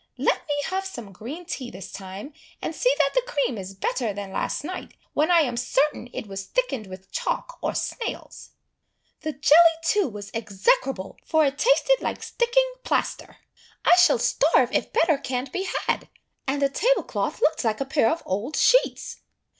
Let me have some green tea this time; and see that the cream is better than last night, when I am certain it was thickened with chalk or snails. The jelly, too, was execrable, for it tasted like sticking plaster I shall starve if better can't be had; and the table cloth looked like a pair of old sheets.